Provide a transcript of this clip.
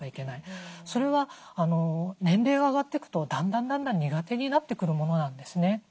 それは年齢が上がっていくとだんだん苦手になってくるものなんですね。